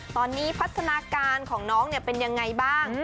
ตอนนี้พัฒนาการของน้องเป็นยังไงบ้าง